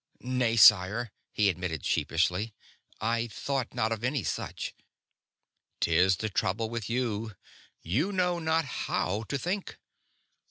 "Nay, sire," he admitted sheepishly. "I thought not of any such." "'Tis the trouble with you you know not how to think."